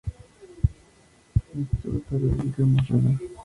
Es tributario del río Mosela.